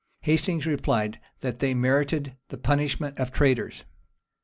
Hastings replied, that they merited the punishment of traitors.